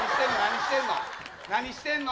何してんの？